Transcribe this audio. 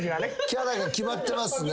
キャラが決まってますね。